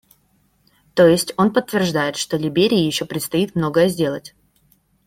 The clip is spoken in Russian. То есть, он подтверждает, что Либерии еще предстоит многое сделать.